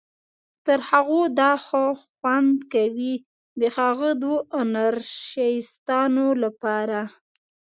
تر هغو دا ښه خوند کوي، د هغه دوو انارشیستانو لپاره.